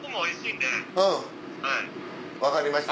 うん分かりました。